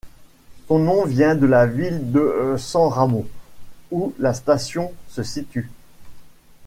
Son nom vient de la ville de San Ramón, où la station se situe.